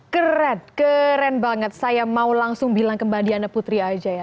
keren keren banget saya mau langsung bilang ke mbak diana putri aja ya